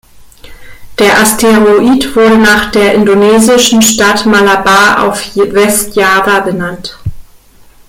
Der Asteroid wurde nach der indonesischen Stadt Malabar auf West-Java benannt.